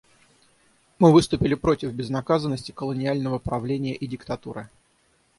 Мы выступили против безнаказанности колониального правления и диктатуры.